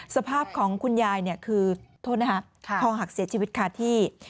สภาพของคุณยายคือของหักเสียชีวิตค่าที่